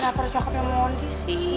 tapi kenapa cakapnya mondi sih